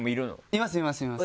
いますいますいます。